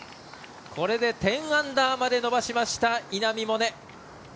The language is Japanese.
これで１０アンダーまで伸ばしました稲見萌寧。